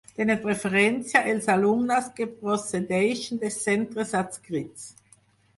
Tenen preferència els alumnes que procedeixen de centres adscrits.